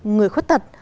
người khuyết tật